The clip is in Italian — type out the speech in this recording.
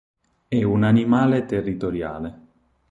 É un animale territoriale.